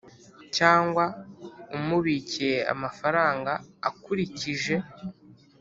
cyangwa umubikiye amafaranga akurikije